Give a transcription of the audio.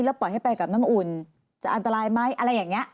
แล้วปล่อยให้ไปกับน้ำอุ่นจะอันตรายไหมอะไรอย่างนี้